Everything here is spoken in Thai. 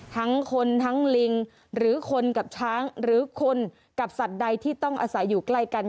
ทั้งคนทั้งลิงหรือคนกับช้างหรือคนกับสัตว์ใดที่ต้องอาศัยอยู่ใกล้กัน